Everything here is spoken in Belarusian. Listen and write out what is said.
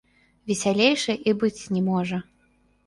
Весялейшай і быць не можа.